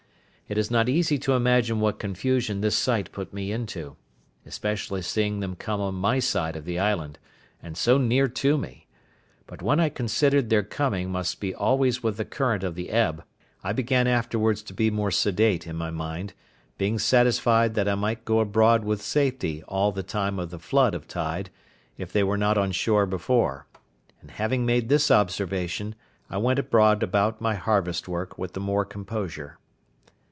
It is not easy to imagine what confusion this sight put me into, especially seeing them come on my side of the island, and so near to me; but when I considered their coming must be always with the current of the ebb, I began afterwards to be more sedate in my mind, being satisfied that I might go abroad with safety all the time of the flood of tide, if they were not on shore before; and having made this observation, I went abroad about my harvest work with the more composure.